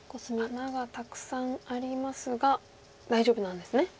穴がたくさんありますが大丈夫なんですね？